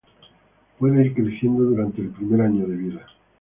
Puede ir creciendo durante el primer año de vida.